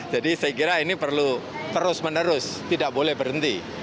jadi saya kira ini perlu terus menerus tidak boleh berhenti